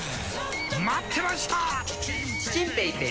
待ってました！